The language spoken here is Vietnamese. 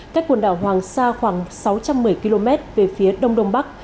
cách quần đảo hoàng sa khoảng sáu trăm một mươi km về phía đông đông bắc